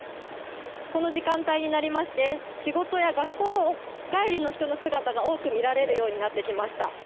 この時間帯になりまして、仕事や学校帰りの人の姿が多く見られるようになってきました。